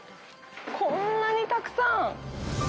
こんなにたくさん。